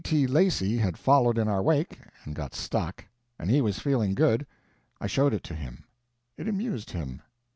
T. Lacey_ had followed in our wake and got stuck, and he was feeling good, I showed it to him. It amused him.